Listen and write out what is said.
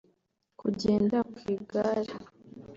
kugenda ku igare